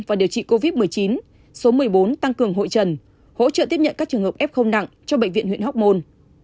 và điều trị covid một mươi chín số một mươi bốn tăng cường hội trần hỗ trợ tiếp nhận các trường hợp f nặng cho bệnh viện huyện hóc môn